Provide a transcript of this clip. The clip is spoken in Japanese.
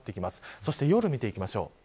そして夜、見ていきましょう。